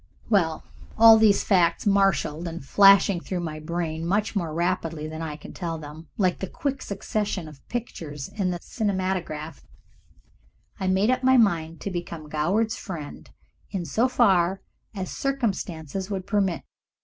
With all these facts marshalled and flashing through my brain much more rapidly than I can tell them, like the quick succession of pictures in the cinematograph, I made up my mind to become Goward's friend in so far as circumstances would permit.